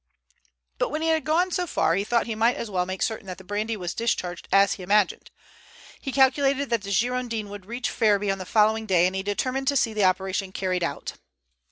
But when he had gone so far, he thought he might as well make certain that the brandy was discharged as he imagined. He calculated that the Girondin would reach Ferriby on the following day, and he determined to see the operation carried out.